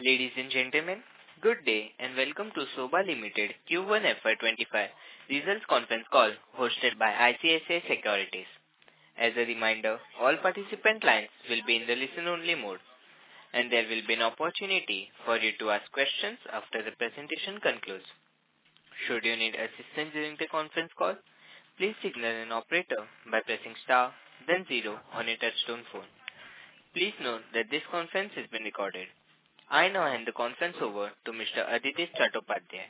Ladies and gentlemen, good day and welcome to Sobha Limited Q1 FY25 Results Conference Call hosted by ICICI Securities. As a reminder, all participant lines will be in the listen-only mode, and there will be an opportunity for you to ask questions after the presentation concludes. Should you need assistance during the conference call, please signal an operator by pressing star then zero on your touch-tone phone. Please note that this conference is being recorded. I now hand the conference over to Mr. Adhidev Chattopadhyay.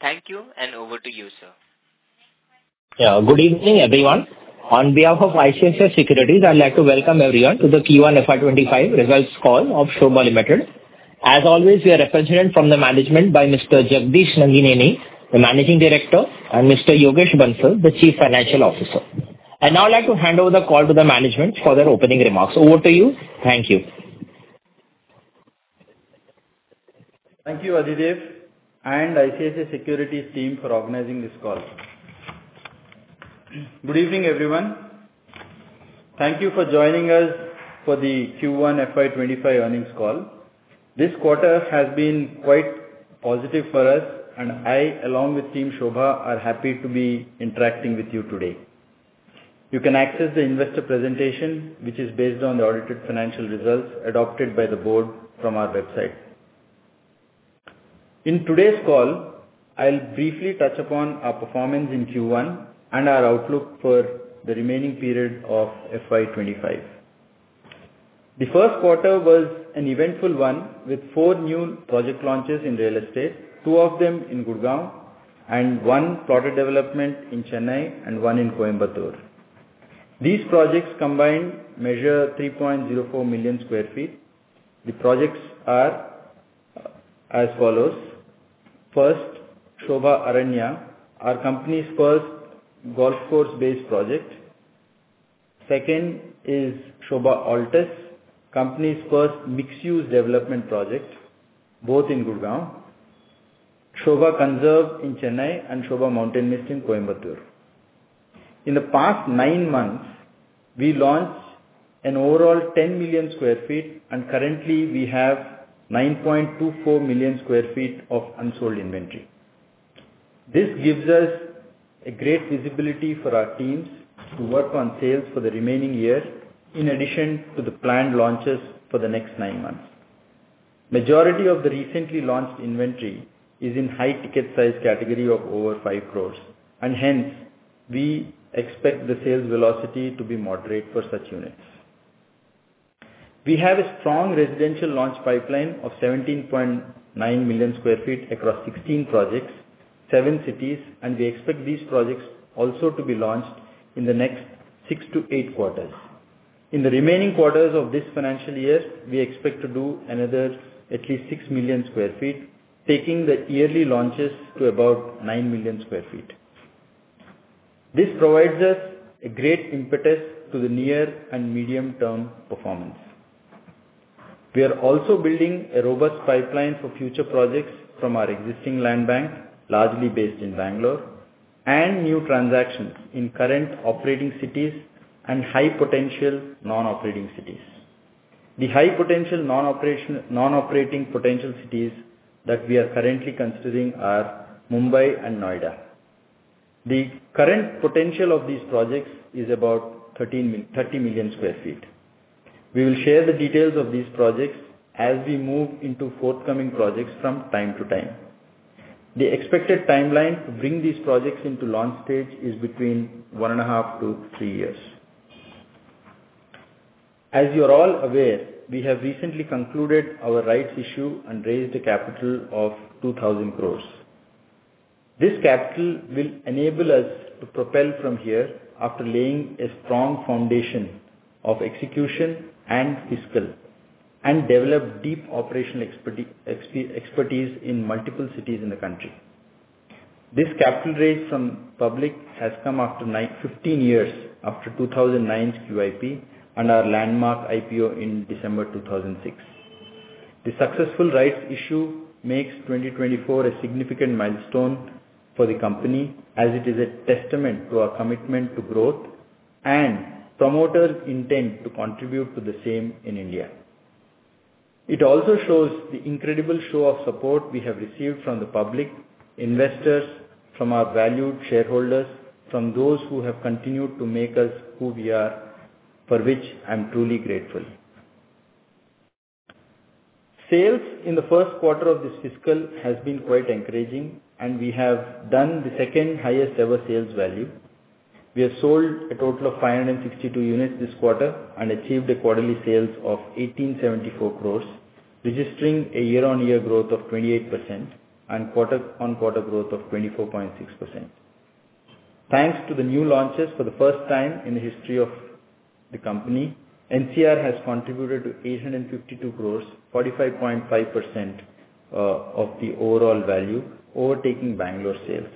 Thank you, and over to you, sir. Yeah, good evening, everyone. On behalf of ICICI Securities, I'd like to welcome everyone to the Q1 FY25 Results Call of Sobha Limited. As always, we are represented from the management by Mr. Jagadish Nangineni, the Managing Director, and Mr. Yogesh Bansal, the Chief Financial Officer. And now I'd like to hand over the call to the management for their opening remarks. Over to you. Thank you. Thank you, Adhidev. ICICI Securities team for organizing this call. Good evening, everyone. Thank you for joining us for the Q1 FY25 earnings call. This quarter has been quite positive for us, and I, along with Team Sobha, are happy to be interacting with you today. You can access the investor presentation, which is based on the audited financial results adopted by the board from our website. In today's call, I'll briefly touch upon our performance in Q1 and our outlook for the remaining period of FY25. The first quarter was an eventful one with four new project launches in real estate, two of them in Gurgaon, and one plot of development in Chennai and one in Coimbatore. These projects combined measure 3.04 million sq ft. The projects are as follows. First, Sobha Aranya, our company's first golf course-based project. Second is Sobha Altus, company's first mixed-use development project, both in Gurgaon. Sobha Conserve in Chennai and Sobha Mountain Mist in Coimbatore. In the past nine months, we launched an overall 10 million sq ft, and currently, we have 9.24 million sq ft of unsold inventory. This gives us a great visibility for our teams to work on sales for the remaining year in addition to the planned launches for the next nine months. The majority of the recently launched inventory is in high-ticket size category of over 5 crores, and hence, we expect the sales velocity to be moderate for such units. We have a strong residential launch pipeline of 17.9 million sq ft across 16 projects, seven cities, and we expect these projects also to be launched in the next six to eight quarters. In the remaining quarters of this financial year, we expect to do another at least 6 million sq ft, taking the yearly launches to about 9 million sq ft. This provides us a great impetus to the near and medium-term performance. We are also building a robust pipeline for future projects from our existing land bank, largely based in Bangalore, and new transactions in current operating cities and high-potential non-operating cities. The high-potential non-operating potential cities that we are currently considering are Mumbai and Noida. The current potential of these projects is about 30 million sq ft. We will share the details of these projects as we move into forthcoming projects from time to time. The expected timeline to bring these projects into launch stage is between 1.5 to 3 years. As you are all aware, we have recently concluded our rights issue and raised a capital of 2,000 crore. This capital will enable us to propel from here after laying a strong foundation of execution and fiscal, and develop deep operational expertise in multiple cities in the country. This capital raise from the public has come after 15 years after 2009's QIP and our landmark IPO in December 2006. The successful rights issue makes 2024 a significant milestone for the company, as it is a testament to our commitment to growth and promoters' intent to contribute to the same in India. It also shows the incredible show of support we have received from the public, investors, from our valued shareholders, from those who have continued to make us who we are, for which I'm truly grateful. Sales in the first quarter of this fiscal year have been quite encouraging, and we have done the second highest-ever sales value. We have sold a total of 562 units this quarter and achieved a quarterly sales of 1,874 crores, registering a year-on-year growth of 28% and quarter-on-quarter growth of 24.6%. Thanks to the new launches, for the first time in the history of the company, NCR has contributed to 852 crores, 45.5% of the overall value, overtaking Bangalore sales.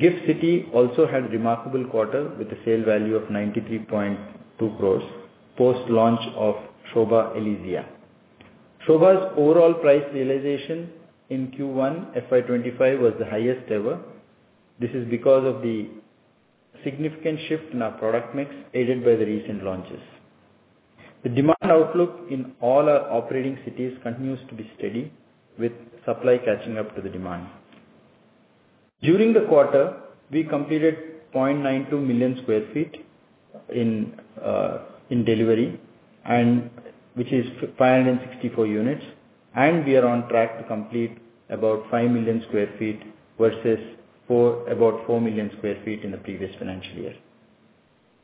GIFT City also had a remarkable quarter with a sale value of 93.2 crores post-launch of Sobha Elysia. Sobha's overall price realization in Q1 FY25 was the highest ever. This is because of the significant shift in our product mix aided by the recent launches. The demand outlook in all our operating cities continues to be steady, with supply catching up to the demand. During the quarter, we completed 0.92 million sq ft in delivery, which is 564 units, and we are on track to complete about 5 million sq ft versus about 4 million sq ft in the previous financial year.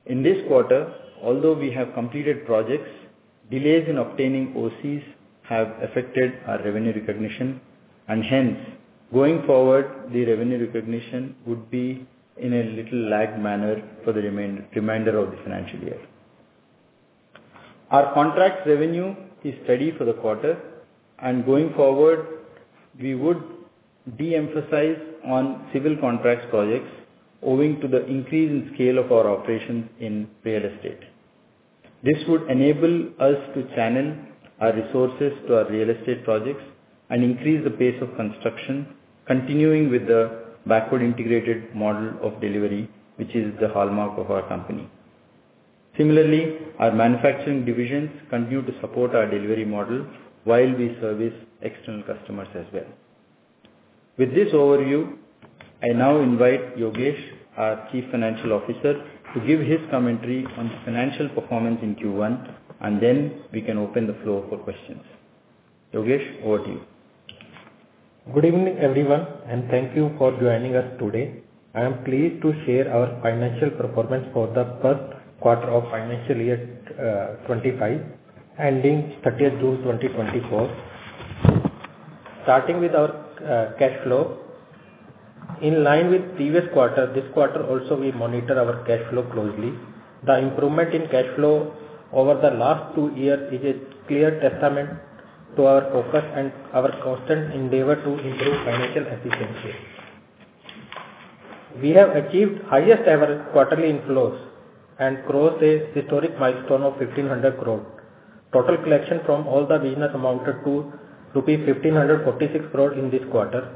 In this quarter, although we have completed projects, delays in obtaining OCs have affected our revenue recognition, and hence, going forward, the revenue recognition would be in a little lagged manner for the remainder of the financial year. Our contract revenue is steady for the quarter, and going forward, we would de-emphasize on civil contracts projects owing to the increase in scale of our operations in real estate. This would enable us to channel our resources to our real estate projects and increase the pace of construction, continuing with the backward-integrated model of delivery, which is the hallmark of our company. Similarly, our manufacturing divisions continue to support our delivery model while we service external customers as well. With this overview, I now invite Yogesh, our Chief Financial Officer, to give his commentary on the financial performance in Q1, and then we can open the floor for questions. Yogesh, over to you. Good evening, everyone, and thank you for joining us today. I am pleased to share our financial performance for the first quarter of financial year 2025, ending 30th June 2024. Starting with our cash flow, in line with the previous quarter, this quarter also, we monitor our cash flow closely. The improvement in cash flow over the last two years is a clear testament to our focus and our constant endeavor to improve financial efficiency. We have achieved the highest-ever quarterly inflows and crossed a historic milestone of 1,500 crores. Total collection from all the businesses amounted to rupees 1,546 crores in this quarter.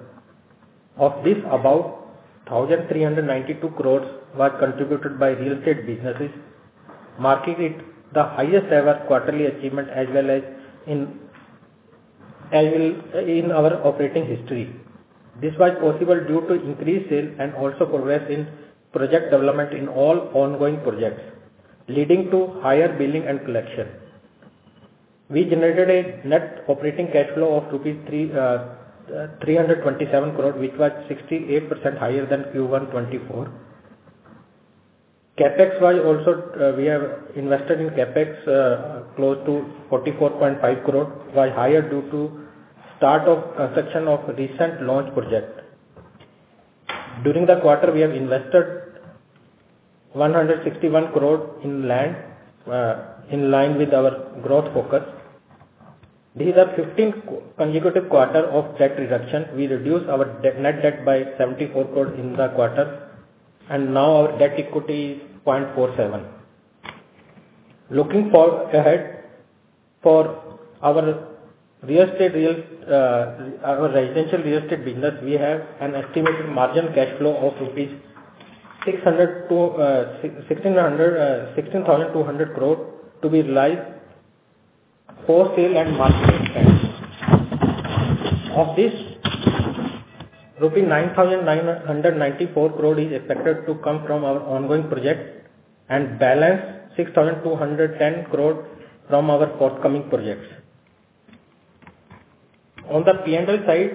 Of this, about 1,392 crores were contributed by real estate businesses, marking it the highest-ever quarterly achievement as well as in our operating history. This was possible due to increased sales and also progress in project development in all ongoing projects, leading to higher billing and collection. We generated a net operating cash flow of ₹327 crores, which was 68% higher than Q1 2024. CapEx was also—we have invested in CapEx close to ₹44.5 crores, which was higher due to the start of a section of recent launch projects. During the quarter, we have invested ₹161 crores in land, in line with our growth focus. These are 15 consecutive quarters of debt reduction. We reduced our net debt by ₹74 crores in the quarter, and now our debt equity is 0.47. Looking ahead for our real estate residential real estate business, we have an estimated margin cash flow of ₹16,200 crores to be realized for sale and market expense. Of this, ₹9,994 crores is expected to come from our ongoing projects and balance ₹6,210 crores from our forthcoming projects. On the P&L side,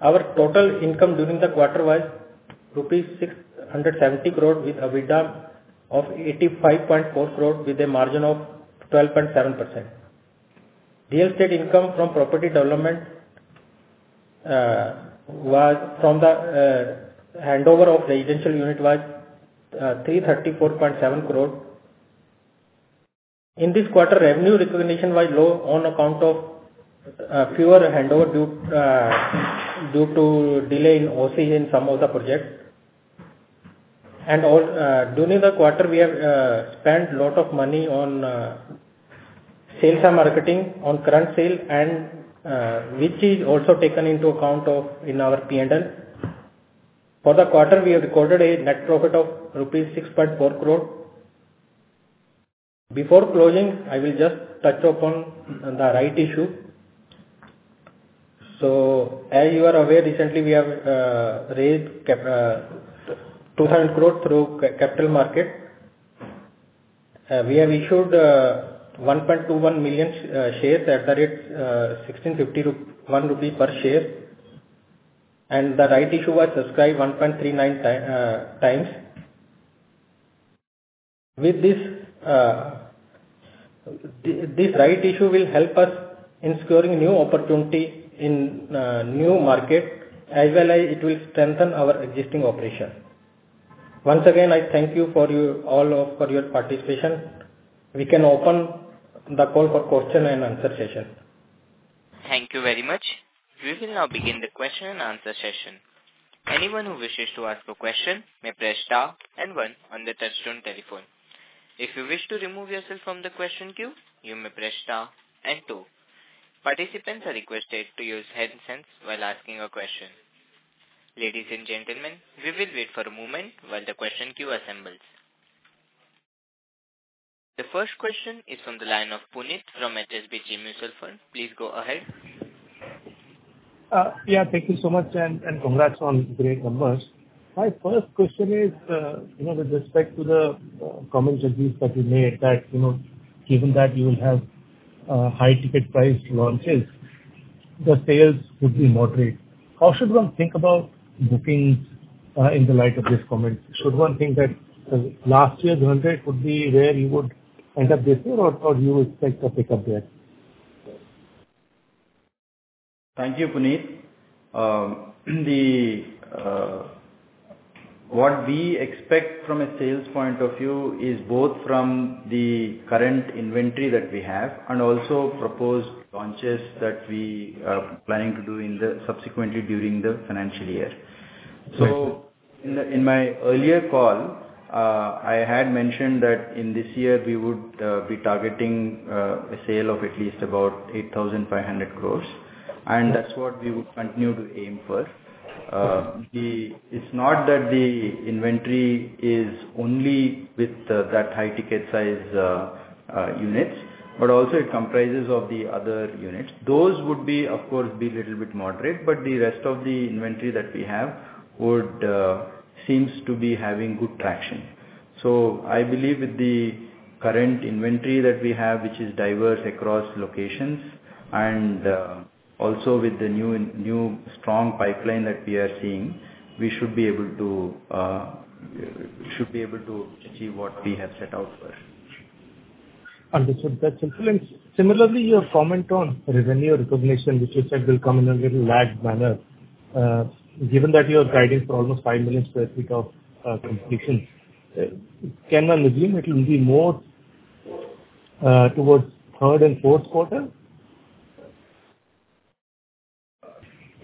our total income during the quarter was ₹670 crores, with a withdrawal of 85.4 crores, with a margin of 12.7%. Real estate income from property development was from the handover of residential units was ₹334.7 crores. In this quarter, revenue recognition was low on account of fewer handovers due to delay in OCs in some of the projects. During the quarter, we have spent a lot of money on sales and marketing on current sales, which is also taken into account in our P&L. For the quarter, we have recorded a net profit of ₹6.4 crores. Before closing, I will just touch upon the rights issue. So, as you are aware, recently, we have raised ₹2,000 crores through capital markets. We have issued 1.21 million shares at a rate of ₹1,651 per share, and the rights issue was subscribed 1.39 times. With this, this rights issue will help us in securing new opportunities in new markets, as well as it will strengthen our existing operations. Once again, I thank you all for your participation. We can open the call for question and answer session. Thank you very much. We will now begin the question and answer session. Anyone who wishes to ask a question may press star and one on the touch-tone telephone. If you wish to remove yourself from the question queue, you may press star and two. Participants are requested to use handsets while asking a question. Ladies and gentlemen, we will wait for a moment while the question queue assembles. The first question is from the line of Puneet from HSBC Mutual Fund. Please go ahead. Yeah, thank you so much, and congrats on great numbers. My first question is, you know, with respect to the comments that you made, that, you know, given that you will have high-ticket price launches, the sales would be moderate. How should one think about bookings in the light of this comment? Should one think that last year's run rate would be where you would end up this year, or do you expect to pick up there? Thank you, Puneet. What we expect from a sales point of view is both from the current inventory that we have and also proposed launches that we are planning to do subsequently during the financial year. In my earlier call, I had mentioned that in this year, we would be targeting a sale of at least about 8,500 crore, and that's what we would continue to aim for. It's not that the inventory is only with that high-ticket size units, but also it comprises of the other units. Those would be, of course, be a little bit moderate, but the rest of the inventory that we have seems to be having good traction. I believe with the current inventory that we have, which is diverse across locations, and also with the new strong pipeline that we are seeing, we should be able to achieve what we have set out for. That's excellent. Similarly, your comment on revenue recognition, which you said will come in a little large manner, given that you are guiding for almost 5 million sq ft of completion, can one assume it will be more towards third and fourth quarter?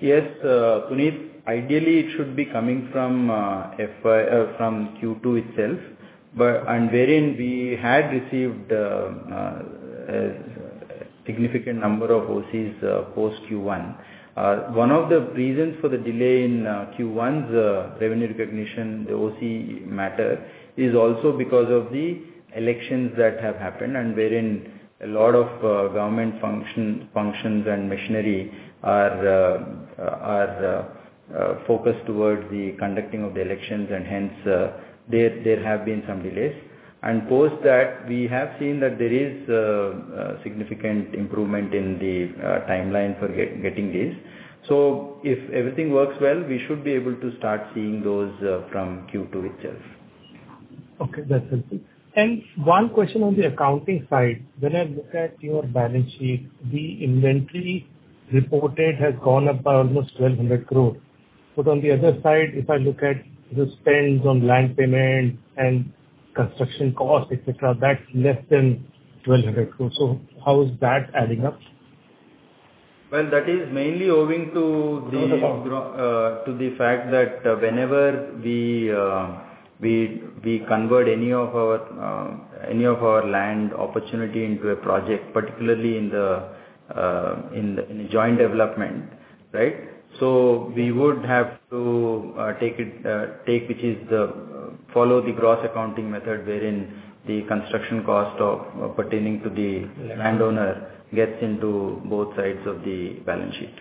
Yes, Puneet, ideally, it should be coming from Q2 itself, but and wherein we had received a significant number of OCs post Q1. One of the reasons for the delay in Q1's revenue recognition, the OC matter, is also because of the elections that have happened, and wherein a lot of government functions and machinery are focused towards the conducting of the elections, and hence, there have been some delays. And post that, we have seen that there is a significant improvement in the timeline for getting these. So, if everything works well, we should be able to start seeing those from Q2 itself. Okay, that's helpful. One question on the accounting side. When I look at your balance sheet, the inventory reported has gone up by almost 1,200 crores. But on the other side, if I look at the spends on land payment and construction costs, etc., that's less than 1,200 crores. How is that adding up? Well, that is mainly owing to the fact that whenever we convert any of our land opportunity into a project, particularly in a joint development, right? So, we would have to take it, which is to follow the gross accounting method, wherein the construction cost pertaining to the landowner gets into both sides of the balance sheet.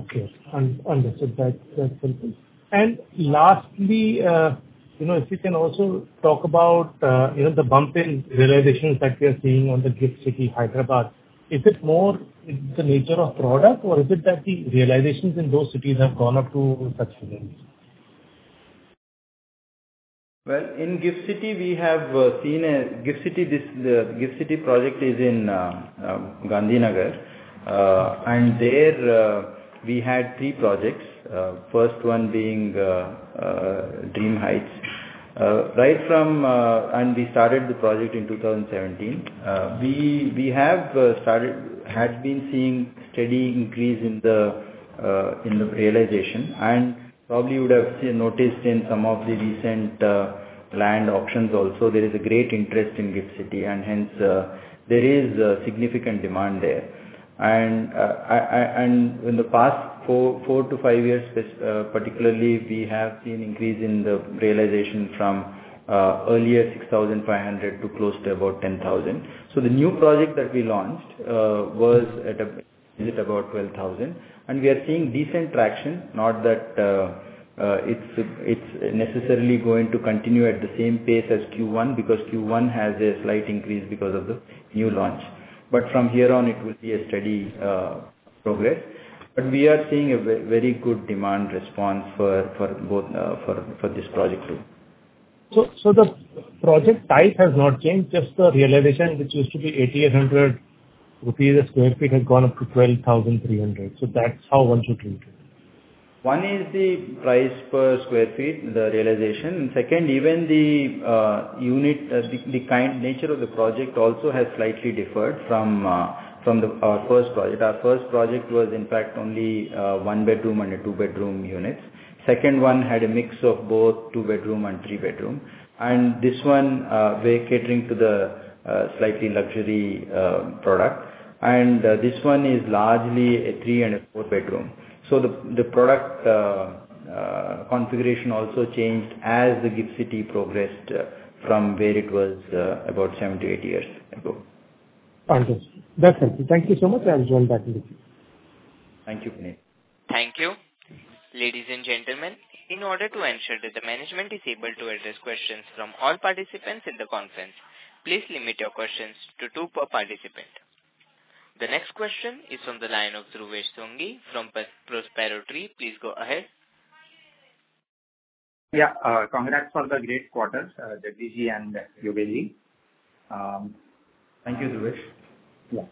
Okay, and that's helpful. And lastly, you know, if you can also talk about the bump in realizations that we are seeing on the GIFT City Hyderabad, is it more the nature of product, or is it that the realizations in those cities have gone up to such a range? Well, in GIFT City, we have seen a GIFT City project is in Gandhinagar, and there we had three projects, first one being Dream Heights. Right from, and we started the project in 2017, we have started, had been seeing steady increase in the realization, and probably you would have noticed in some of the recent land auctions also, there is a great interest in GIFT City, and hence, there is significant demand there. And in the past 4-5 years, particularly, we have seen increase in the realization from earlier 6,500 to close to about 10,000. So, the new project that we launched was at a budget about 12,000, and we are seeing decent traction, not that it's necessarily going to continue at the same pace as Q1, because Q1 has a slight increase because of the new launch. From here on, it will be a steady progress. We are seeing a very good demand response for this project through. So, the project type has not changed, just the realization, which used to be ₹8,800 a sq ft has gone up to ₹12,300. So, that's how one should treat it? One is the price per square feet, the realization. Second, even the unit, the kind nature of the project also has slightly differed from our first project. Our first project was, in fact, only one-bedroom and two-bedroom units. Second one had a mix of both two-bedroom and three-bedroom. This one we're catering to the slightly luxury product. This one is largely a three- and four-bedroom. The product configuration also changed as the GIFT City progressed from where it was about 7-8 years ago. That's helpful. Thank you so much. I'll join back in the team. Thank you, Puneet. Thank you. Ladies and gentlemen, in order to ensure that the management is able to address questions from all participants at the conference, please limit your questions to two per participant. The next question is from the line of Dhruvesh Sanghvi from Prospero Tree. Please go ahead. Yeah, congrats for the great quarter, Jagadish and Yogesh. Thank you, Dhruvesh. Yeah.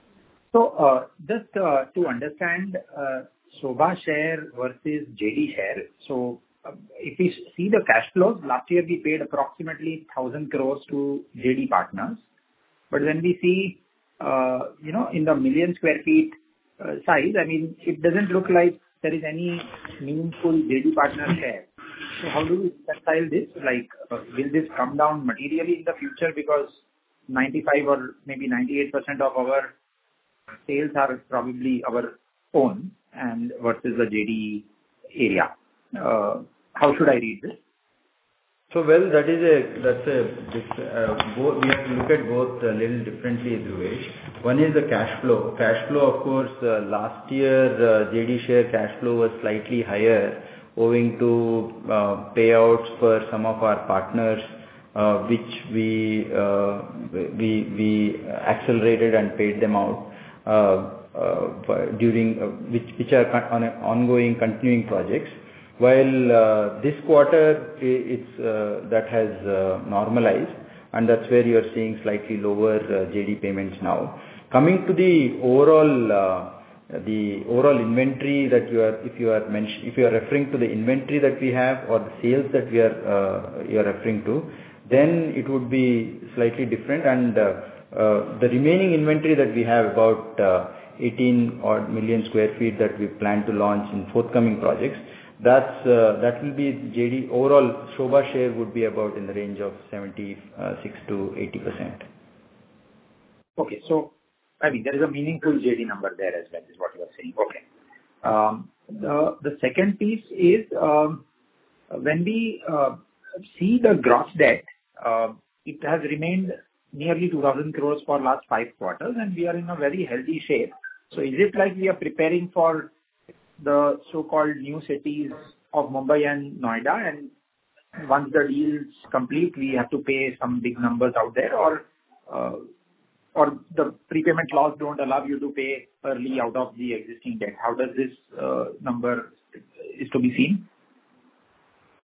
So, just to understand, Sobha share versus JD share. So, if we see the cash flows, last year we paid approximately 1,000 crores to JD Partners. But when we see, you know, in the million square feet size, I mean, it doesn't look like there is any meaningful JD Partners share. So, how do we tackle this? Like, will this come down materially in the future? Because 95% or maybe 98% of our sales are probably our own versus the JD area. How should I read this? So, well, that's a we look at both a little differently, Dhruvesh. One is the cash flow. Cash flow, of course, last year, JD share cash flow was slightly higher owing to payouts for some of our partners, which we accelerated and paid them out, which are ongoing, continuing projects. While this quarter, that has normalized, and that's where you are seeing slightly lower JD payments now. Coming to the overall inventory that you are—if you are referring to the inventory that we have or the sales that you are referring to, then it would be slightly different. And the remaining inventory that we have, about 18 million sq ft that we plan to launch in forthcoming projects, that will be JD overall Sobha share would be about in the range of 76%-80%. Okay, so I mean, there is a meaningful JD number there as well is what you are saying. Okay. The second piece is when we see the gross debt, it has remained nearly 2,000 crores for the last five quarters, and we are in a very healthy shape. So, is it like we are preparing for the so-called new cities of Mumbai and Noida? And once the deal's complete, we have to pay some big numbers out there, or the prepayment clause don't allow you to pay early out of the existing debt? How does this number is to be seen?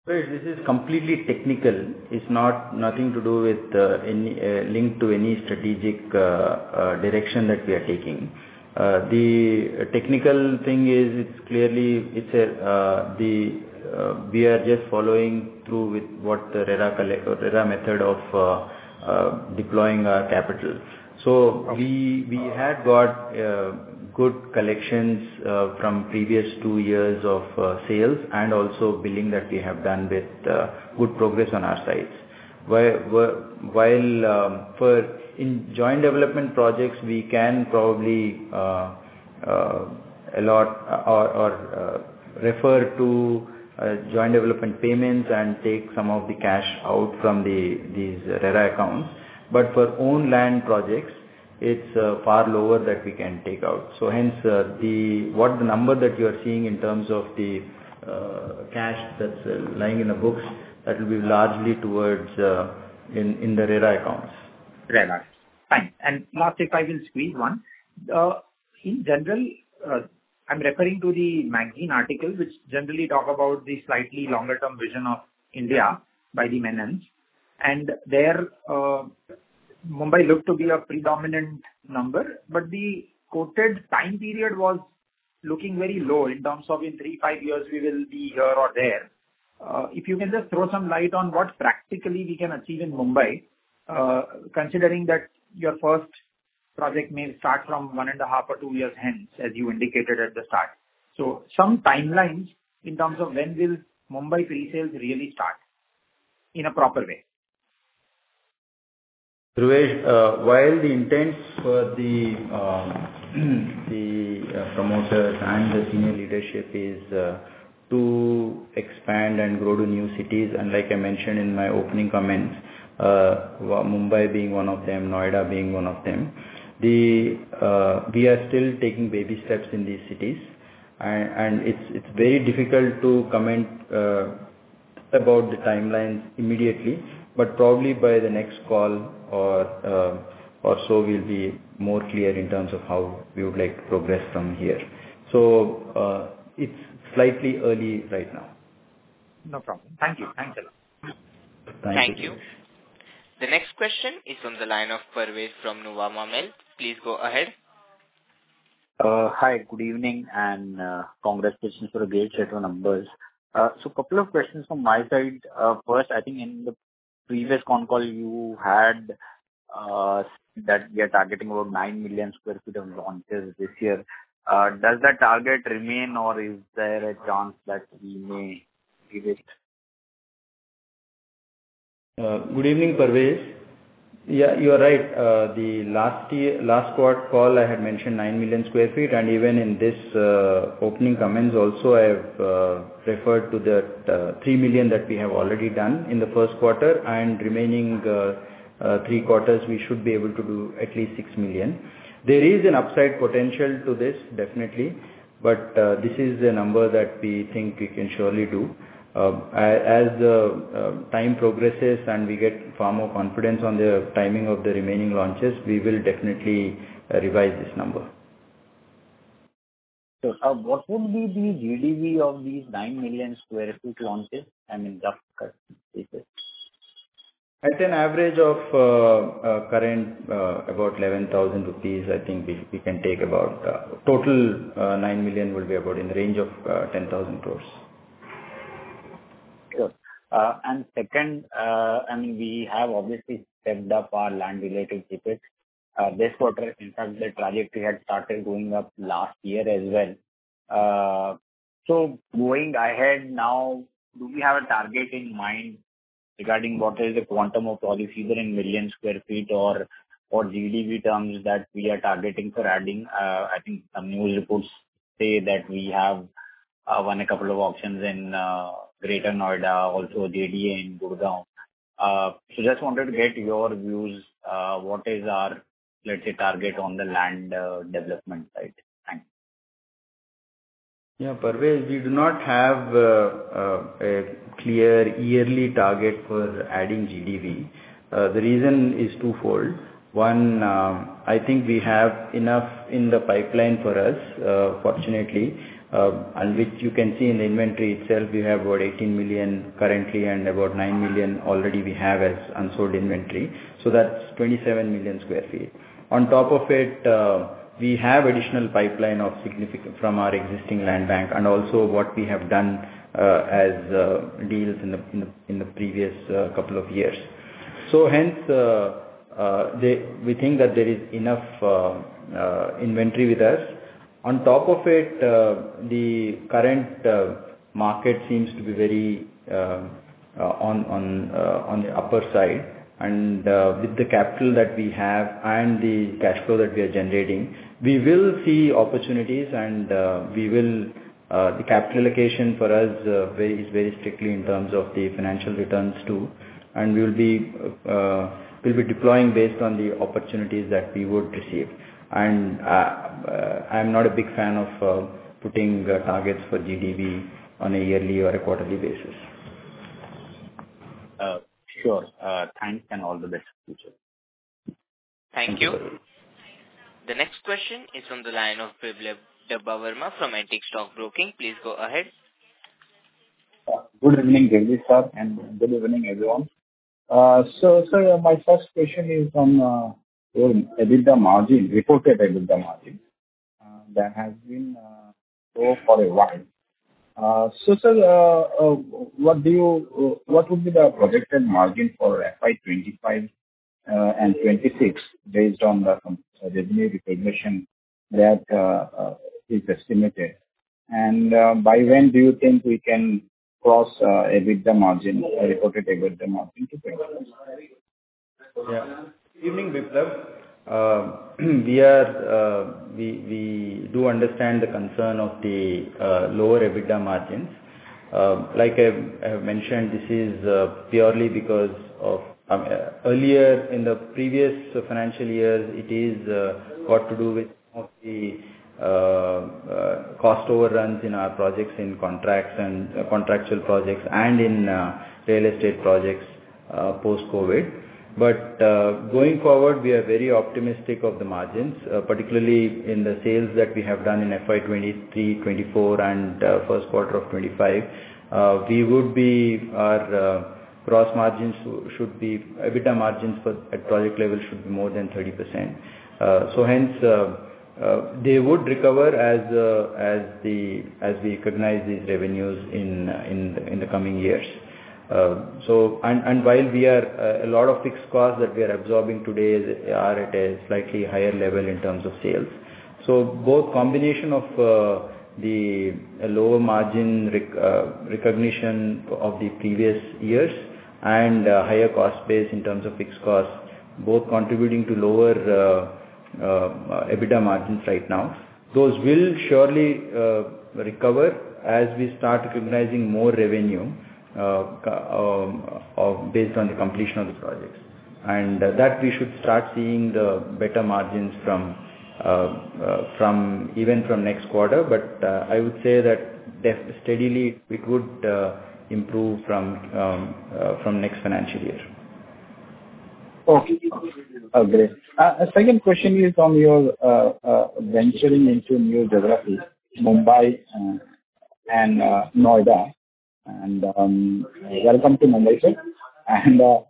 This is completely technical. It's nothing to do with any link to any strategic direction that we are taking. The technical thing is, it's clearly-it's a-we are just following through with what the RERA method of deploying our capital. So, we had got good collections from previous two years of sales and also billing that we have done with good progress on our sides. While for joint development projects, we can probably allot or refer to joint development payments and take some of the cash out from these RERA accounts. But for own land projects, it's far lower that we can take out. So, hence, what the number that you are seeing in terms of the cash that's lying in the books, that will be largely towards in the RERA accounts. RERAs. Thanks. And last, if I will squeeze one, in general, I'm referring to the magazine article which generally talks about the slightly longer-term vision of India by the Menons. And there, Mumbai looked to be a predominant number, but the quoted time period was looking very low in terms of in three, five years, we will be here or there. If you can just throw some light on what practically we can achieve in Mumbai, considering that your first project may start from one and a half or two years hence, as you indicated at the start. So, some timelines in terms of when will Mumbai pre-sales really start in a proper way? Dhruvesh, while the intent for the promoters and the senior leadership is to expand and grow to new cities, and like I mentioned in my opening comments, Mumbai being one of them, Noida being one of them, we are still taking baby steps in these cities. It's very difficult to comment about the timelines immediately, but probably by the next call or so, we'll be more clear in terms of how we would like to progress from here. It's slightly early right now. No problem. Thank you. Thanks a lot. Thank you. Thank you. The next question is from the line of Parvez from Nuvama Wealth. Please go ahead. Hi, good evening, and congratulations for the great set of numbers. So, a couple of questions from my side. First, I think in the previous phone call, you had that we are targeting over 9 million sq ft of launches this year. Does that target remain, or is there a chance that we may leave it? Good evening, Parvez. Yeah, you are right. The last quarter call, I had mentioned 9 million sq ft, and even in this opening comments also, I have referred to the 3 million that we have already done in the first quarter, and remaining three quarters, we should be able to do at least 6 million. There is an upside potential to this, definitely, but this is a number that we think we can surely do. As the time progresses and we get far more confidence on the timing of the remaining launches, we will definitely revise this number. So, what would be the GDV of these 9 million sq ft launches? I mean, rough estimate. It's an average of current about ₹11,000. I think we can take about total 9 million will be about in the range of ₹10,000. And second, I mean, we have obviously stepped up our land-related tickets. This quarter, in fact, the trajectory had started going up last year as well. So, going ahead now, do we have a target in mind regarding what is the quantum of all these, either in million sq ft or GDV terms that we are targeting for adding? I think some news reports say that we have won a couple of auctions in Greater Noida, also JDA in Gurgaon. So, just wanted to get your views. What is our, let's say, target on the land development side? Thanks. Yeah, Parvez, we do not have a clear yearly target for adding GDV. The reason is twofold. One, I think we have enough in the pipeline for us, fortunately, and which you can see in the inventory itself, we have about 18 million currently and about 9 million already we have as unsold inventory. So, that's 27 million sq ft. On top of it, we have additional pipeline of significant from our existing land bank and also what we have done as deals in the previous couple of years. So, hence, we think that there is enough inventory with us. On top of it, the current market seems to be very on the upper side. With the capital that we have and the cash flow that we are generating, we will see opportunities and we will the capital allocation for us is very strictly in terms of the financial returns too. We will be deploying based on the opportunities that we would receive. I'm not a big fan of putting targets for GDV on a yearly or a quarterly basis. Sure. Thanks and all the best. Thank you. The next question is from the line of Biplab Debbarma from Antique Stock Broking. Please go ahead. Good evening, Jagadish sir, and good evening, everyone. So, sir, my first question is on the margin, reported margin that has been low for a while. So, sir, what would be the projected margin for FY 2025 and 2026 based on the revenue recognition that is estimated? And by when do you think we can cross EBITDA margin, reported EBITDA margin? Yeah. Good evening, Biplab. We do understand the concern of the lower EBITDA margins. Like I have mentioned, this is purely because of earlier in the previous financial years, it has got to do with the cost overruns in our projects in contracts and contractual projects and in real estate projects post-COVID. But going forward, we are very optimistic of the margins, particularly in the sales that we have done in FY 2023, 2024, and first quarter of 2025. We would be our gross margins should be EBITDA margins at project level should be more than 30%. So, hence, they would recover as we recognize these revenues in the coming years. So, and while we are a lot of fixed costs that we are absorbing today are at a slightly higher level in terms of sales. So, both combination of the lower margin recognition of the previous years and higher cost base in terms of fixed costs, both contributing to lower EBITDA margins right now, those will surely recover as we start recognizing more revenue based on the completion of the projects. And that we should start seeing the better margins from even from next quarter. But I would say that steadily it would improve from next financial year. Okay. Great. A second question is from your venturing into new development, Mumbai and Noida. Welcome to Mumbai, sir.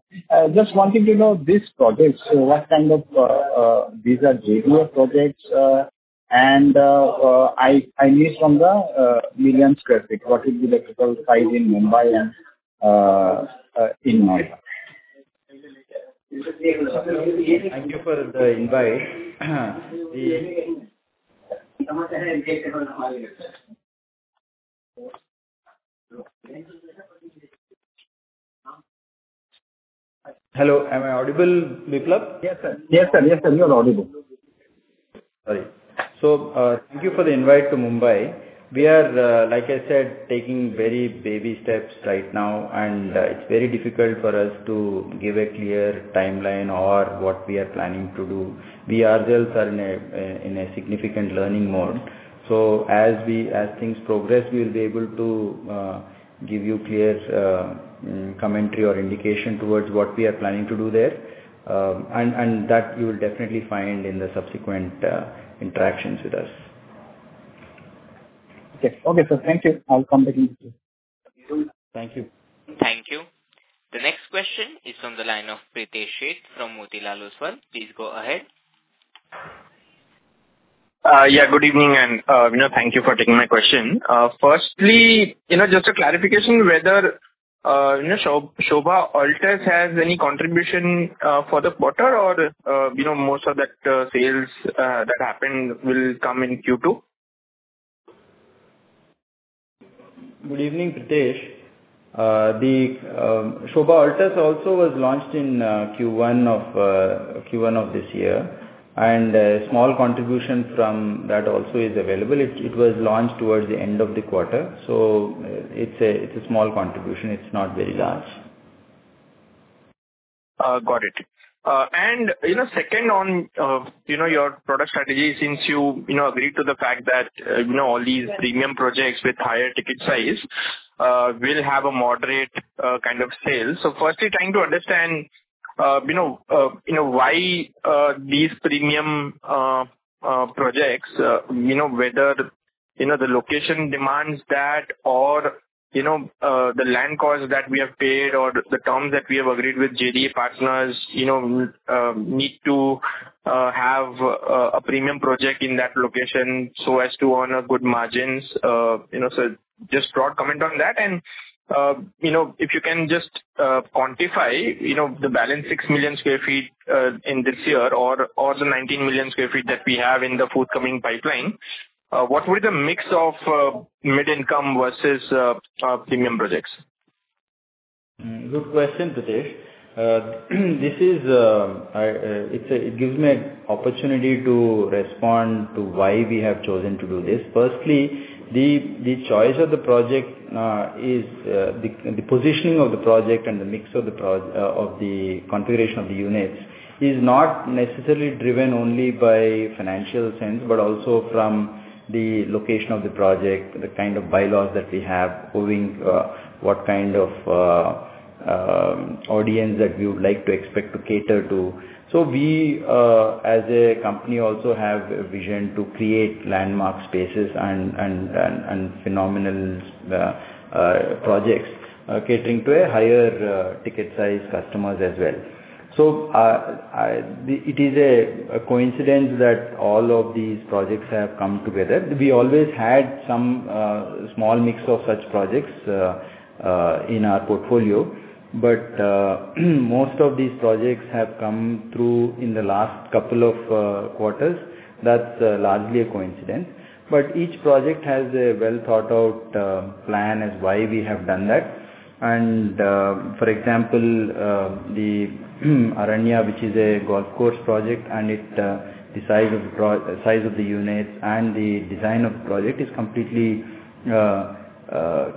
Just wanting to know this project, so what kind of these are JD projects? I knew from the 1 million sq ft, what is the developable size in Mumbai and in Noida? Thank you for the invite. Hello. Am I audible? Yes, sir. Okay. Hello. Am I audible, Biplab? Yes, sir. Yes, sir. Yes, sir. You are audible. Sorry. So, thank you for the invite to Mumbai. We are, like I said, taking very baby steps right now, and it's very difficult for us to give a clear timeline or what we are planning to do. We ourselves are in a significant learning mode. So, as things progress, we will be able to give you clear commentary or indication towards what we are planning to do there. And that you will definitely find in the subsequent interactions with us. Okay. Okay. So, thank you. I'll come back in. Thank you. Thank you. The next question is from the line of Prithesh from Motilal Oswal. Please go ahead. Yeah, good evening. And thank you for taking my question. Firstly, just a clarification whether Sobha Altus has any contribution for the quarter or most of that sales that happen will come in Q2? Good evening, Prithesh. The Sobha Altus also was launched in Q1 of this year. A small contribution from that also is available. It was launched towards the end of the quarter. It's a small contribution. It's not very large. Got it. And second on your product strategy, since you agreed to the fact that all these premium projects with higher ticket size will have a moderate kind of sale. So, firstly, trying to understand why these premium projects, whether the location demands that or the land costs that we have paid or the terms that we have agreed with JDA partners need to have a premium project in that location so as to earn good margins. So, just broad comment on that. And if you can just quantify the balance 6 million sq ft in this year or the 19 million sq ft that we have in the forthcoming pipeline, what would be the mix of mid-income versus premium projects? Good question, Prithesh. It gives me an opportunity to respond to why we have chosen to do this. Firstly, the choice of the project, the positioning of the project, and the mix of the configuration of the units is not necessarily driven only by financial sense, but also from the location of the project, the kind of bylaws that we have, owing to what kind of audience that we would like to expect to cater to. So, we as a company also have a vision to create landmark spaces and phenomenal projects catering to a higher ticket size customers as well. So, it is a coincidence that all of these projects have come together. We always had some small mix of such projects in our portfolio. But most of these projects have come through in the last couple of quarters. That's largely a coincidence. But each project has a well-thought-out plan as why we have done that. And for example, the Aranya, which is a golf course project, and the size of the unit and the design of the project is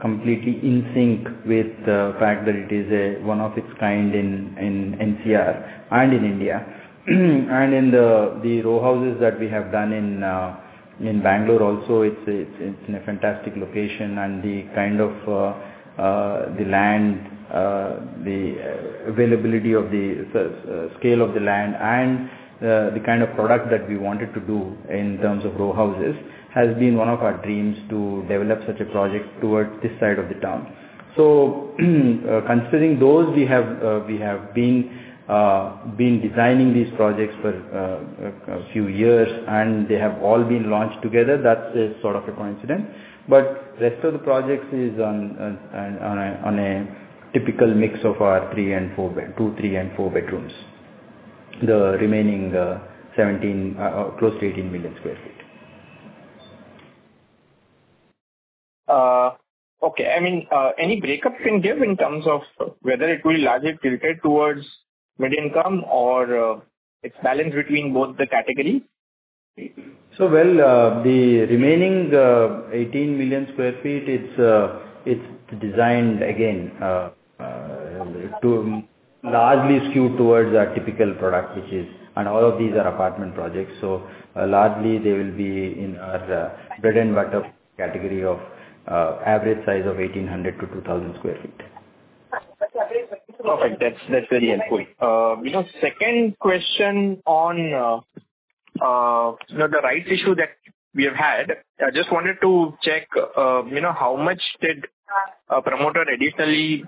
completely in sync with the fact that it is one of its kind in NCR and in India. And in the row houses that we have done in Bangalore also, it's in a fantastic location. And the kind of the land, the availability of the scale of the land, and the kind of product that we wanted to do in terms of row houses has been one of our dreams to develop such a project towards this side of the town. So, considering those, we have been designing these projects for a few years, and they have all been launched together. That's sort of a coincidence. But the rest of the projects is on a typical mix of our 2-3 and 4 bedrooms, the remaining 17, close to 18 million sq ft. Okay. I mean, any breakdown you can give in terms of whether it will largely tilt towards mid-income or its balance between both the categories? So, well, the remaining 18 million sq ft, it's designed again to largely skew towards our typical product, which is, and all of these are apartment projects. So, largely, they will be in our bread-and-butter category of average size of 1,800-2,000 sq ft. Perfect. That's very helpful. Second question on the rights issue that we have had, I just wanted to check how much did a promoter additionally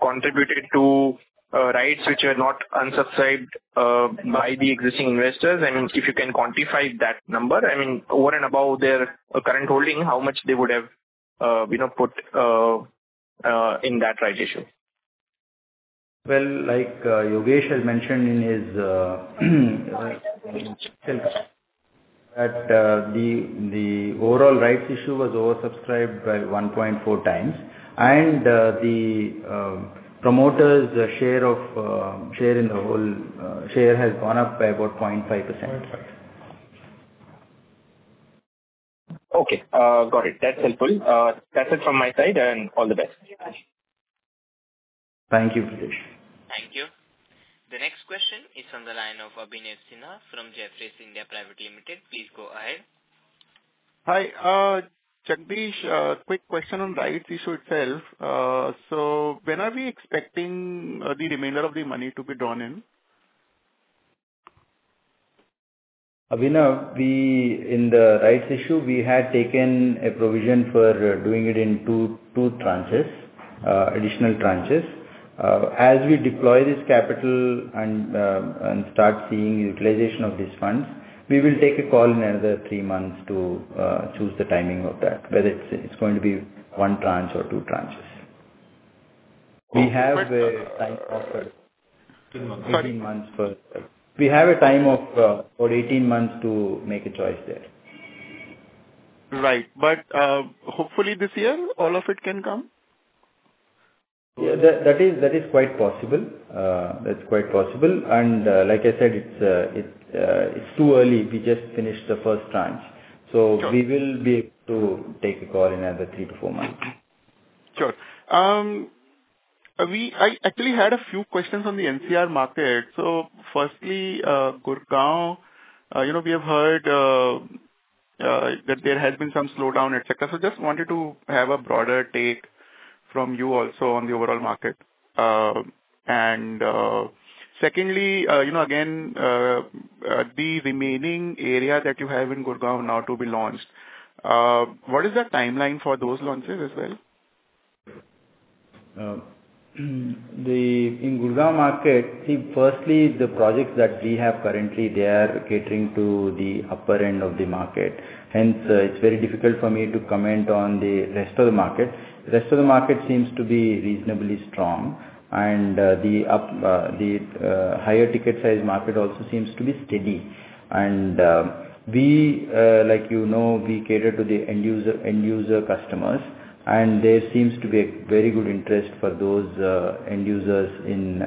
contributed to rights which were not unsubsidized by the existing investors? And if you can quantify that number, I mean, over and above their current holding, how much they would have put in that rights issue? Well, like Yogesh has mentioned in his slides, that the overall rights issue was oversubscribed by 1.4 times. The promoter's share in the whole share has gone up by about 0.5%. 0.5%. Okay. Got it. That's helpful. That's it from my side. And all the best. Thank you, Prithesh. Thank you. The next question is from the line of Abhinav Sinha from Jefferies. Please go ahead. Hi. Jagadish, quick question on rights issue itself. So, when are we expecting the remainder of the money to be drawn in? Abhinav, in the rights issue, we had taken a provision for doing it in two tranches, additional tranches. As we deploy this capital and start seeing utilization of this fund, we will take a call in another three months to choose the timing of that, whether it's going to be one tranche or two tranches. We have a time of 18 months to make a choice there. Right. But hopefully this year, all of it can come? Yeah, that is quite possible. That's quite possible. And like I said, it's too early. We just finished the first tranche. So, we will be able to take a call in another 3-4 months. Sure. I actually had a few questions on the NCR market. So, firstly, Gurgaon, we have heard that there has been some slowdown, etc. So, just wanted to have a broader take from you also on the overall market. And secondly, again, the remaining area that you have in Gurgaon now to be launched, what is the timeline for those launches as well? In Gurgaon market, see, firstly, the projects that we have currently, they are catering to the upper end of the market. Hence, it's very difficult for me to comment on the rest of the market. The rest of the market seems to be reasonably strong. The higher ticket size market also seems to be steady. And like you know, we cater to the end-user customers. And there seems to be a very good interest for those end users in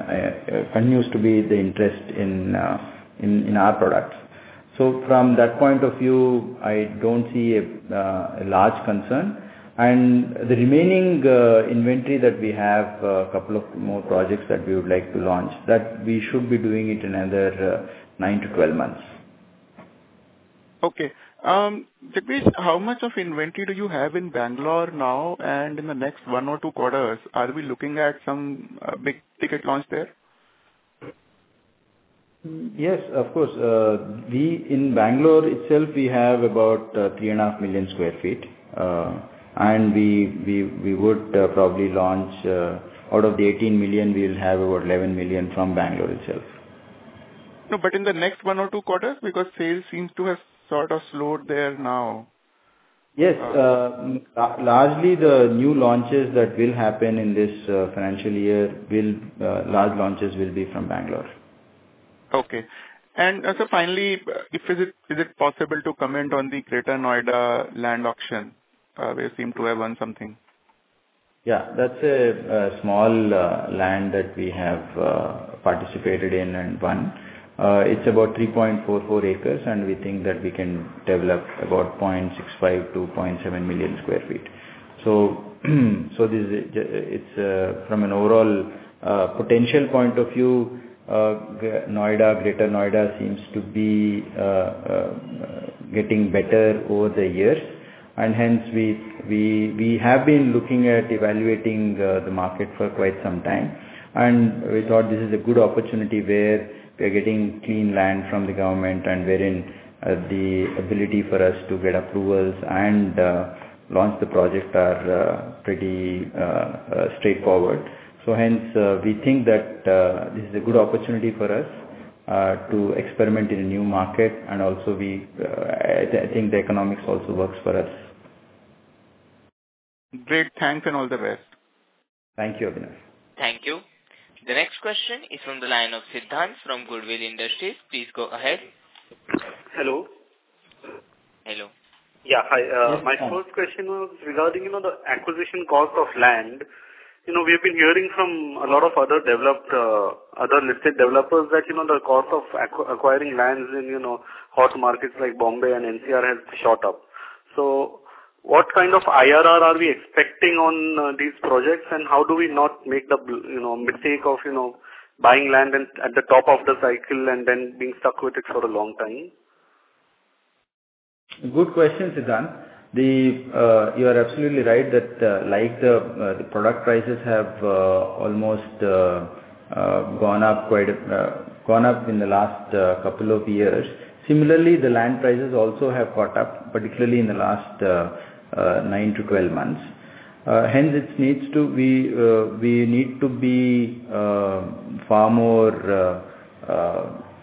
continues to be the interest in our products. So, from that point of view, I don't see a large concern. The remaining inventory that we have, a couple of more projects that we would like to launch, that we should be doing it in another 9-12 months. Okay. Jagadish, how much of inventory do you have in Bangalore now? In the next one or two quarters, are we looking at some big ticket launch there? Yes, of course. In Bangalore itself, we have about 3.5 million sq ft. We would probably launch out of the 18 million, we will have about 11 million from Bangalore itself. But in the next one or two quarters, because sales seem to have sort of slowed there now. Yes. Largely, the new launches that will happen in this financial year, large launches will be from Bangalore. Okay. And finally, is it possible to comment on the Greater Noida land auction? We seem to have won something. Yeah. That's a small land that we have participated in and won. It's about 3.44 acres. We think that we can develop about 0.65-0.7 million sq ft. From an overall potential point of view, Greater Noida seems to be getting better over the years. Hence, we have been looking at evaluating the market for quite some time. We thought this is a good opportunity where we are getting clean land from the government and wherein the ability for us to get approvals and launch the project are pretty straightforward. Hence, we think that this is a good opportunity for us to experiment in a new market. Also, I think the economics also works for us. Great. Thanks and all the best. Thank you, Abhinav. Thank you. The next question is from the line of Siddhant Dand from Goodwill. Please go ahead. Hello. Hello. Yeah. Hi. My first question was regarding the acquisition cost of land. We have been hearing from a lot of other developers, other listed developers that the cost of acquiring lands in hot markets like Bombay and NCR has shot up. So, what kind of IRR are we expecting on these projects? And how do we not make the mistake of buying land at the top of the cycle and then being stuck with it for a long time? Good question, Siddhant. You are absolutely right that the product prices have almost gone up in the last couple of years. Similarly, the land prices also have caught up, particularly in the last 9-12 months. Hence, we need to be far more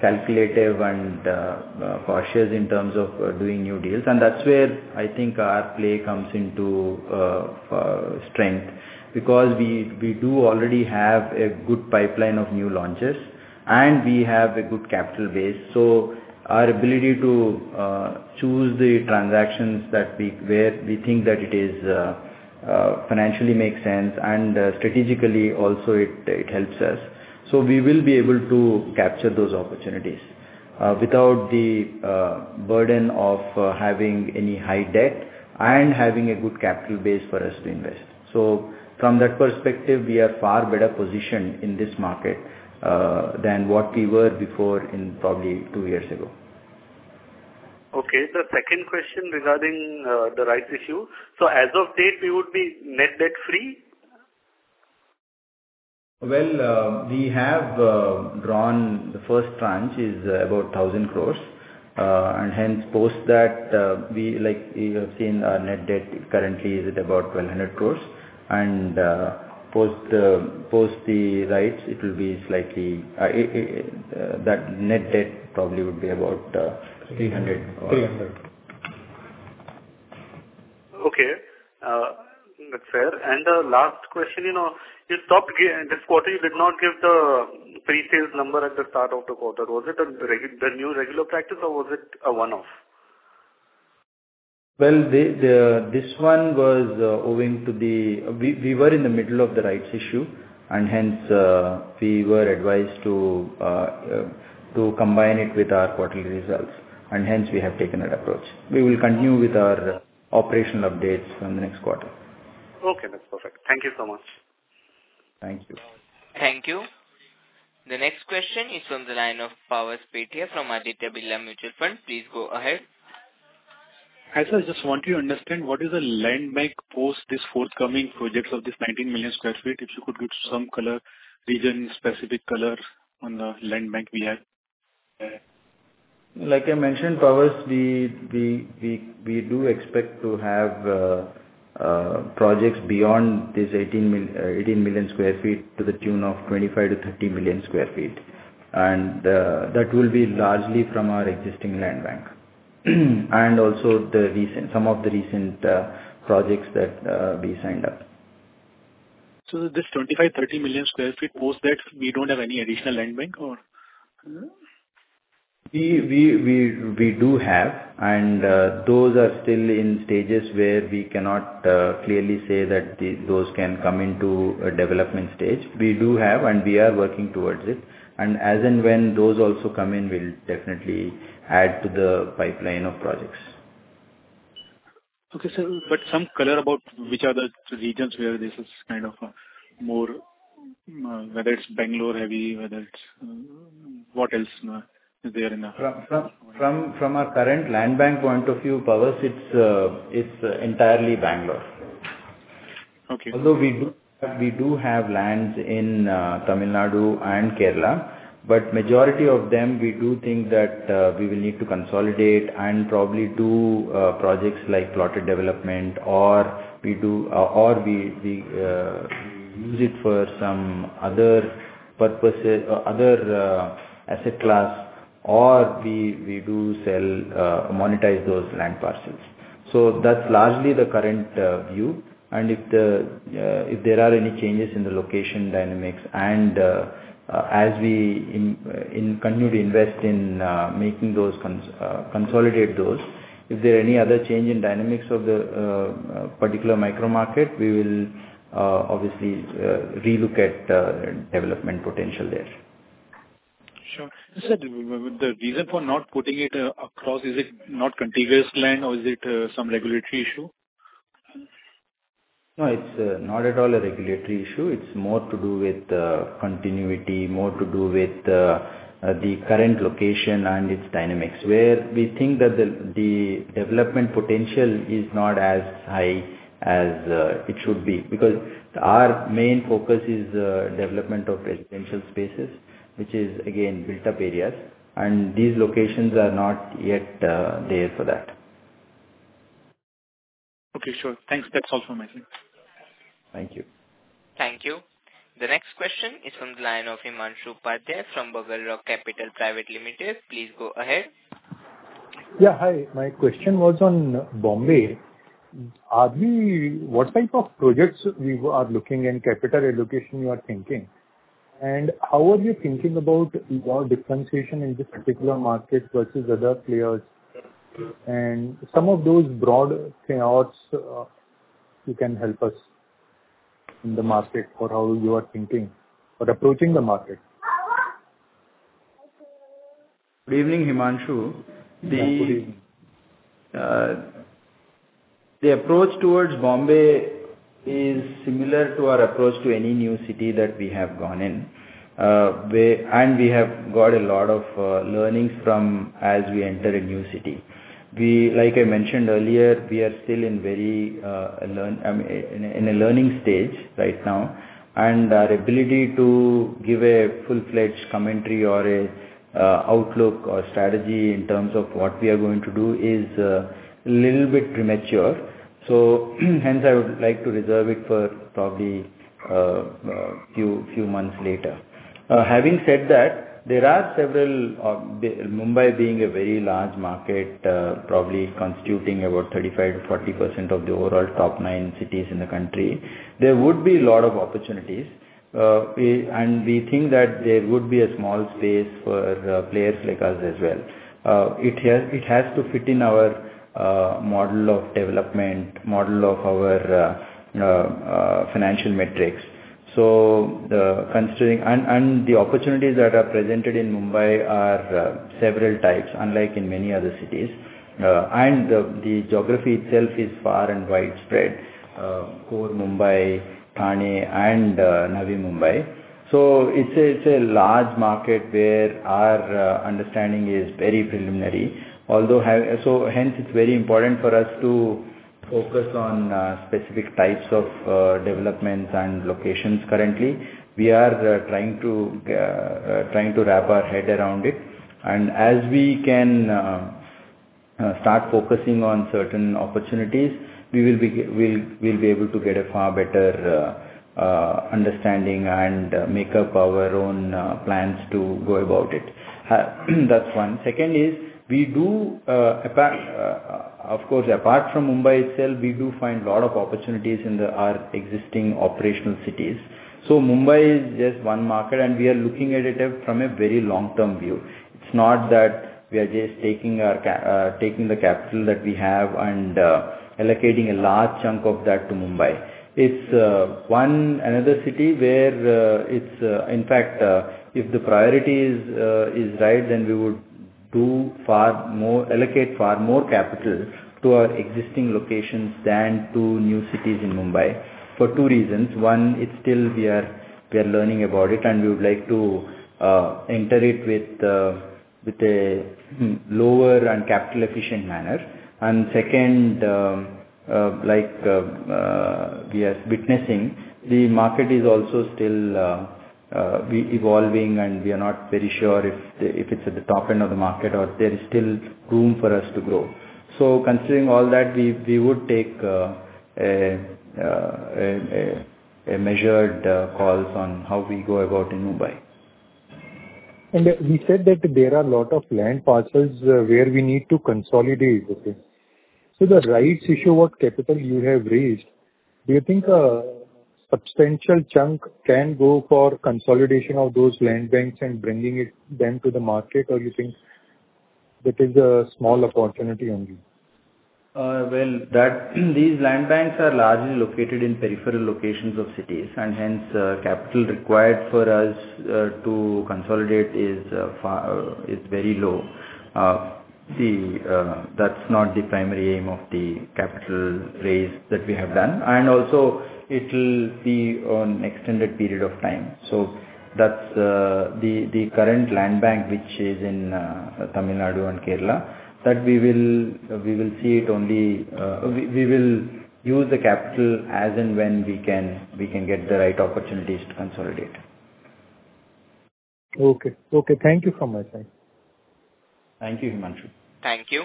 calculative and cautious in terms of doing new deals. That's where I think our play comes into strength because we do already have a good pipeline of new launches. We have a good capital base. Our ability to choose the transactions where we think that it financially makes sense and strategically also it helps us. We will be able to capture those opportunities without the burden of having any high debt and having a good capital base for us to invest. So, from that perspective, we are far better positioned in this market than what we were before in probably two years ago. Okay. The second question regarding the rights issue. As of date, we would be net debt free? Well, we have drawn the first tranche is about 1,000 crore. Hence, post that, you have seen our net debt currently is at about 1,200 crore. Post the rights, it will be slightly that net debt probably would be about 300 crore. Okay. That's fair. Last question. This quarter, you did not give the pre-sales number at the start of the quarter. Was it the new regular practice or was it a one-off? Well, this one was owing to the we were in the middle of the rights issue. Hence, we were advised to combine it with our quarterly results. Hence, we have taken that approach. We will continue with our operational updates in the next quarter. Okay. That's perfect. Thank you so much. Thank you. Thank you. The next question is from the line of Pawas Pethia from Aditya Birla Mutual Fund. Please go ahead. Hi, sir. I just want you to understand what is the land bank post this forthcoming projects of this 19 million sq ft if you could give some region-specific colors on the land bank we have. Like I mentioned, Pawas, we do expect to have projects beyond this 18 million sq ft to the tune of 25-30 million sq ft. That will be largely from our existing land bank and also some of the recent projects that we signed up. This 25 to 30 million sq ft, post that, we don't have any additional land bank or? We do have. Those are still in stages where we cannot clearly say that those can come into a development stage. We do have, and we are working towards it. As and when those also come in, we'll definitely add to the pipeline of projects. Okay, sir. But some color about which are the regions where this is kind of more, whether it's Bangalore heavy, whether it's what else there in the? From our current land bank point of view, Pawas, it's entirely Bangalore. Although we do have land in Tamil Nadu and Kerala, but majority of them, we do think that we will need to consolidate and probably do projects like plotted development, or we use it for some other purpose, other asset class, or we do monetize those land parcels. So, that's largely the current view. If there are any changes in the location dynamics, and as we continue to invest in consolidating those, if there are any other changes in dynamics of the particular micro market, we will obviously relook at development potential there. Sure. Sir, the reason for not putting it across, is it not contiguous land or is it some regulatory issue? No, it's not at all a regulatory issue. It's more to do with continuity, more to do with the current location and its dynamics, where we think that the development potential is not as high as it should be because our main focus is development of residential spaces, which is, again, built-up areas. These locations are not yet there for that. Okay. Sure. Thanks. That's all from my side. Thank you. Thank you. The next question is from the line of Himanshu Upadhyay from Buglerock Capital Private Limited. Please go ahead. Yeah. Hi. My question was on Bombay. What type of projects you are looking in capital allocation you are thinking? And how are you thinking about your differentiation in this particular market versus other players? And some of those broad things, you can help us in the market for how you are thinking or approaching the market. Good evening, Himanshu. Good evening. The approach towards Mumbai is similar to our approach to any new city that we have gone in. We have got a lot of learnings as we enter a new city. Like I mentioned earlier, we are still in a learning stage right now. Our ability to give a full-fledged commentary or an outlook or strategy in terms of what we are going to do is a little bit premature. So, hence, I would like to reserve it for probably a few months later. Having said that, there are several, Mumbai being a very large market, probably constituting about 35%-40% of the overall top nine cities in the country. There would be a lot of opportunities. We think that there would be a small space for players like us as well. It has to fit in our model of development, model of our financial metrics. So, considering and the opportunities that are presented in Mumbai are several types, unlike in many other cities. The geography itself is far and widespread: Kurla, Mumbai, Thane, and Navi Mumbai. It's a large market where our understanding is very preliminary. Hence, it's very important for us to focus on specific types of developments and locations currently. We are trying to wrap our head around it. As we can start focusing on certain opportunities, we will be able to get a far better understanding and make up our own plans to go about it. That's one. Second is, of course, apart from Mumbai itself, we do find a lot of opportunities in our existing operational cities. Mumbai is just one market. We are looking at it from a very long-term view. It's not that we are just taking the capital that we have and allocating a large chunk of that to Mumbai. It's another city where it's, in fact, if the priority is right, then we would allocate far more capital to our existing locations than to new cities in Mumbai for two reasons. One, still we are learning about it. We would like to enter it with a lower and capital-efficient manner. Second, like we are witnessing, the market is also still evolving. And we are not very sure if it's at the top end of the market or there is still room for us to grow. So, considering all that, we would take measured calls on how we go about in Mumbai. We said that there are a lot of land parcels where we need to consolidate the thing. The rights issue of capital you have raised, do you think a substantial chunk can go for consolidation of those land banks and bringing them to the market, or do you think that is a small opportunity only? Well, these land banks are largely located in peripheral locations of cities. Hence, capital required for us to consolidate is very low. That's not the primary aim of the capital raise that we have done. Also, it will be an extended period of time. The current land bank, which is in Tamil Nadu and Kerala, that we will see it only we will use the capital as and when we can get the right opportunities to consolidate. Okay. Okay. Thank you so much. Thank you, Himanshu. Thank you.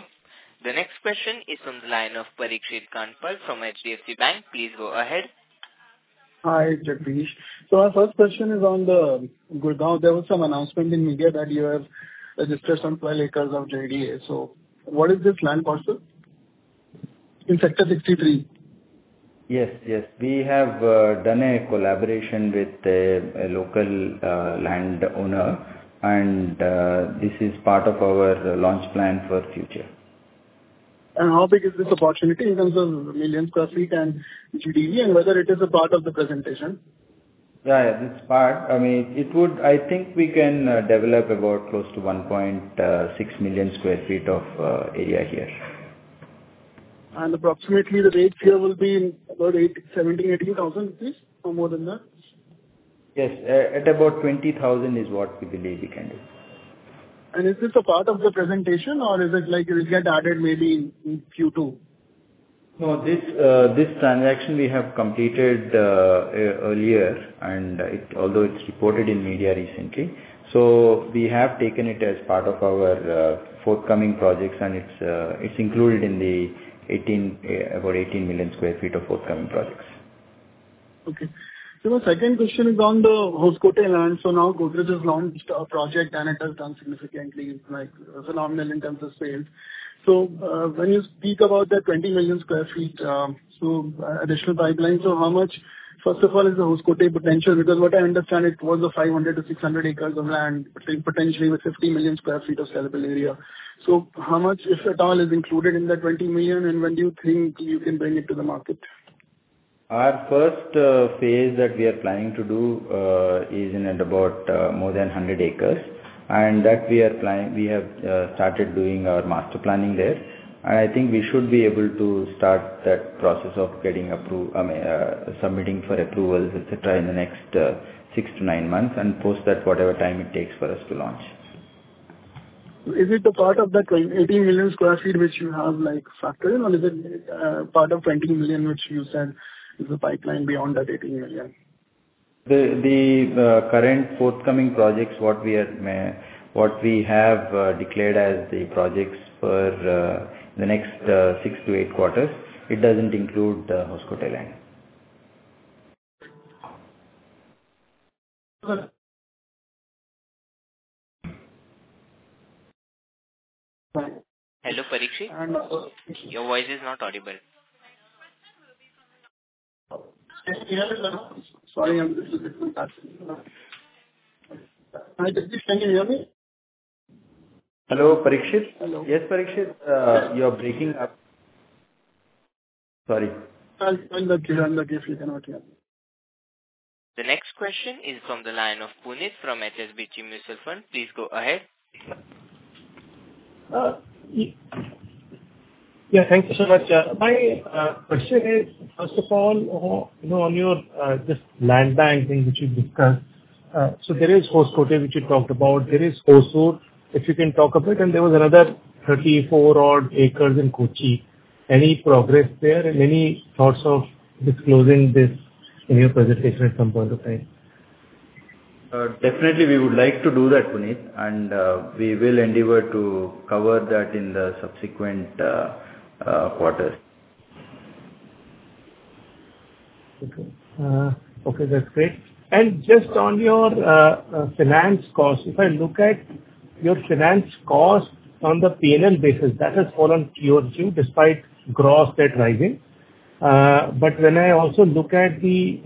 The next question is from the line of Parikshit Kandpal from HDFC Securities. Please go ahead. Hi, Jagadish. So, our first question is on the there was some announcement in media that you have distressed some 12 acres of JDA. So, what is this land parcel in Sector 63A? Yes. Yes. We have done a collaboration with a local land owner. This is part of our launch plan for future. How big is this opportunity in terms of millions square feet and JDA and whether it is a part of the presentation? Yeah. It's part. I mean, I think we can develop about close to 1.6 million sq ft of area here. Approximately, the rate here will be about 17,000-18,000 rupees or more than that? Yes. At about 20,000 is what we believe we can do. Is this a part of the presentation, or is it like it will get added maybe in Q2? No, this transaction we have completed earlier, although it's reported in media recently. So, we have taken it as part of our forthcoming projects. And it's included in the about 18 million sq ft of forthcoming projects. Okay. So, my second question is on the Hoskote land. So, now Godrej has launched a project and it has done significantly phenomenal in terms of sales. So, when you speak about that 20 million sq ft, so additional pipeline, so how much first of all is the Hoskote potential? Because what I understand, it was 500-600 acres of land, potentially with 50 million sq ft of sellable area. So, how much, if at all, is included in that 20 million? And when do you think you can bring it to the market? Our first phase that we are planning to do is in and about more than 100 acres. And that we have started doing our master planning there. And I think we should be able to start that process of submitting for approvals, etc., in the next 6-9 months and post that whatever time it takes for us to launch. Is it a part of that 18 million sq ft which you have factored in, or is it part of 20 million which you said is the pipeline beyond that 18 million? The current forthcoming projects, what we have declared as the projects for the next 6-8 quarters, it doesn't include the Hoskote land. Hello, Parikshit. Your voice is not audible. Sorry. Hello, Parikshit. Hello. Yes, Parikshit. You are breaking up. Sorry. I'm logging. I'm logging. The next question is from the line of Puneet from HSBC Mutual Fund. Please go ahead. Yeah. Thank you so much. My question is, first of all, on this land bank thing which you discussed, so there is Hoskote which you talked about. There is Kerala. If you can talk about it. And there was another 34-odd acres in Kochi. Any progress there? And any thoughts of disclosing this in your presentation at some point of time? Definitely, we would like to do that, Puneet. We will endeavor to cover that in the subsequent quarters. Okay. Okay. That's great. And just on your finance cost, if I look at your finance cost on the P&L basis, that has fallen towards you despite gross debt rising. But when I also look at the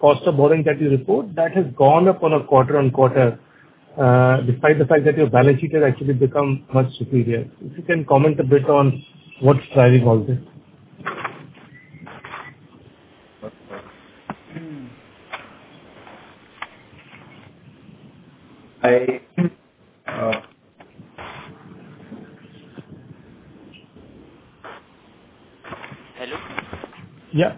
cost of borrowing that you report, that has gone up on a quarter-on-quarter despite the fact that your balance sheet has actually become much superior. If you can comment a bit on what's driving all this? I. Hello? Yeah.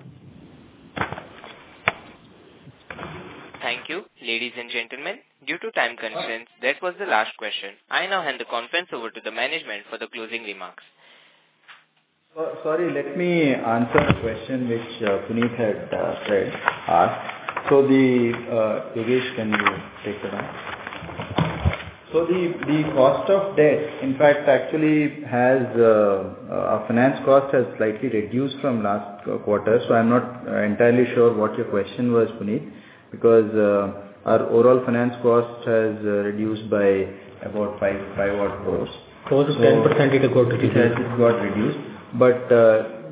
Thank you, ladies and gentlemen. Due to time constraints, that was the last question. I now hand the conference over to the management for the closing remarks. Sorry. Let me answer the question which Puneet had said. So Yogesh, can you take the line? So the cost of debt, in fact, actually has our finance cost has slightly reduced from last quarter. So I'm not entirely sure what your question was, Puneet, because our overall finance cost has reduced by about 5-odd%. Closest 10% it got reduced. It got reduced. But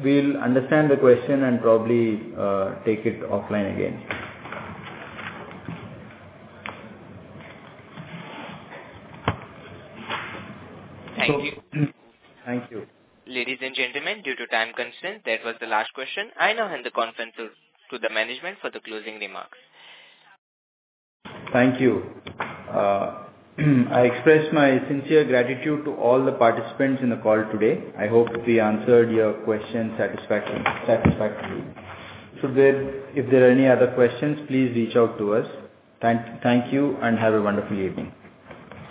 we'll understand the question and probably take it offline again. Thank you. Thank you. Ladies and gentlemen, due to time constraints, that was the last question. I now hand the conference to the management for the closing remarks. Thank you. I express my sincere gratitude to all the participants in the call today. I hope we answered your questions satisfactorily. So if there are any other questions, please reach out to us. Thank you and have a wonderful evening.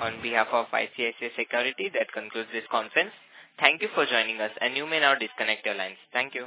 On behalf of ICICI Securities, that concludes this conference. Thank you for joining us. You may now disconnect your lines. Thank you.